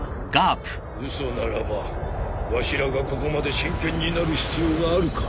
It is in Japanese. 嘘ならばわしらがここまで真剣になる必要があるか？